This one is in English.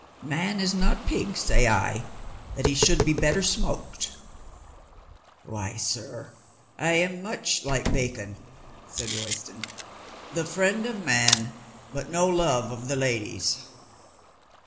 Man is not pig, say I, that he should be better smoked." "Why, sir, I am much like bacon," said Royston. "The friend of man, but no love of the ladies."